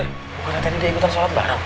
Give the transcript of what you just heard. pokoknya tadi dia ikutan sholat bareng